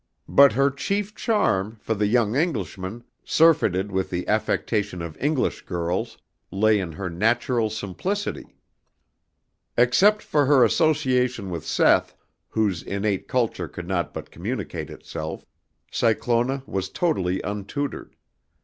But her chief charm for the young Englishman, surfeited with the affectation of English girls, lay in her natural simplicity. Except for her association with Seth, whose innate culture could not but communicate itself, Cyclona was totally untutored.